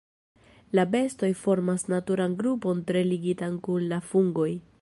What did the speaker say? La bestoj formas naturan grupon tre ligitan kun la fungoj.